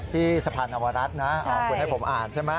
ที่สะพานนวรัฐนะคุณให้ผมอ่านใช่ไหม